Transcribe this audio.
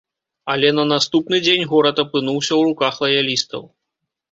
Але на наступны дзень горад апынуўся ў руках лаялістаў.